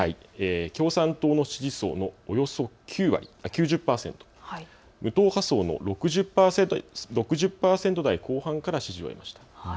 共産党の支持層のおよそ９０％、無党派層の６０％台後半から支持を得ました。